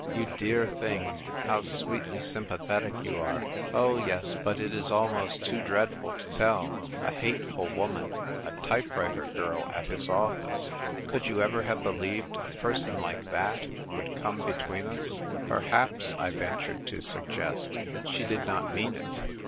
"You dear thing! How sweetly sympa thetic you are ! Oh, yes, but it is ahuost too dreadful to tell. A hateful woman — a type writer girl at his office ! Could you ever have believed a person like that would come be tween us ?"" Perhaps," I ventured to suggest, "she did not mean it."